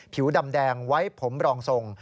ผิวดำแดงไว้ผมรองทรง